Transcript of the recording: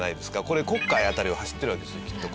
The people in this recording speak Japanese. これ黒海辺りを走ってるわけですよきっと。